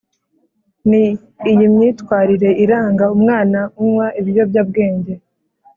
ni iyi myitwarire iranga umwana unywa ibiyobyabwenge